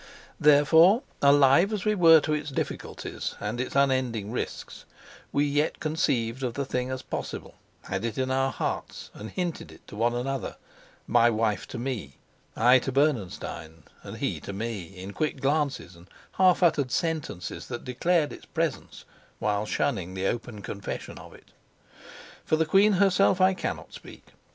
Therefore, alive as we were to its difficulties and its unending risks, we yet conceived of the thing as possible, had it in our hearts, and hinted it to one another my wife to me, I to Bernenstein, and he to me in quick glances and half uttered sentences that declared its presence while shunning the open confession of it. For the queen herself I cannot speak.